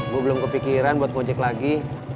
gue belum kepikiran buat ngojek lagi